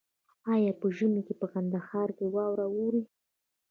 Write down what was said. آیا په ژمي کې په کندهار کې واوره اوري؟